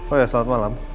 oh iya selamat malam